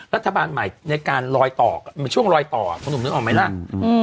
รัฐบาลในการรอยต่อช่วงรอยต่อผมเห็นออกไหมแหละ